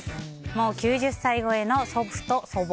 もう９０歳超えの祖父と祖母。